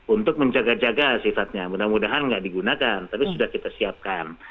untuk menjaga jaga sifatnya mudah mudahan nggak digunakan tapi sudah kita siapkan